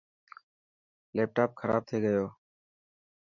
ليپٽاپ کراب ٿي گيو.